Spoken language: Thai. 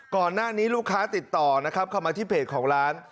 ก่อนหน้านี้ลูกค้าติดต่อนะครับเข้ามาที่เพจของร้าน